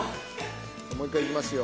もう１回行きますよ。